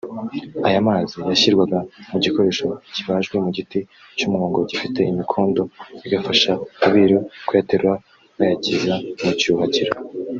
Aya mazi yashyirwaga mu gikoresho kibajwe mu giti cy’umwungo gifite imikondo bigafasha abiru kuyaterura bayageza mu “Cyuhagiro”